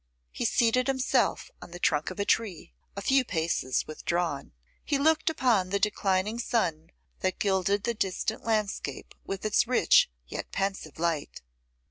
He seated himself on the trunk of a tree, a few paces withdrawn; he looked upon the declining sun that gilded the distant landscape with its rich yet pensive light.